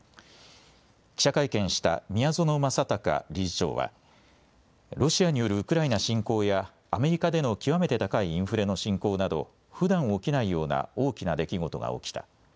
記者会見した宮園雅敬理事長はロシアによるウクライナ侵攻やアメリカでの極めて高いインフレの進行などふだん起きないような大きな出来事が起きた。